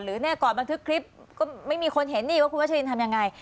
หรือแน่ก่อนบันทึกคลิปก็ไม่มีคนเห็นนี่ว่าคุณวัชลินทำอย่างไร